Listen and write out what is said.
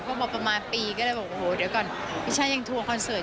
ก็มาประมาณปีก็เลยบอกโอ้โหเดี๋ยวก่อนพี่ช่ายังทัวร์คอนเสิร์ต